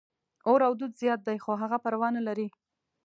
اور او دود زیات دي، خو هغه پروا نه لري.